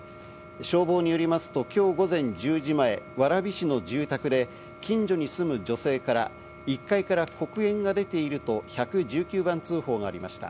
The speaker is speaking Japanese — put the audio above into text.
消防によりますと今日午前１０時前、蕨市の住宅で近所に住む女性から、１階から黒煙が出ていると１１９番通報がありました。